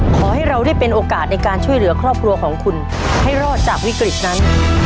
ขอให้เราได้เป็นโอกาสในการช่วยเหลือครอบครัวของคุณให้รอดจากวิกฤตนั้น